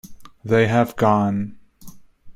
They have gone.